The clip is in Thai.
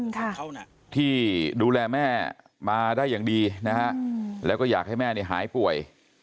ที่ดูแลแม่มาได้อย่างดีนะฮะแล้วก็อยากให้แม่เนี่ยหายป่วย